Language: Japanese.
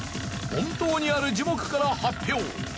本当にある樹木から発表。